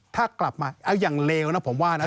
ถ้ากลับมาเอาอย่างเลวนะผมว่านะ